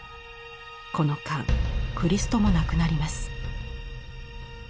この間クリストも亡くなります。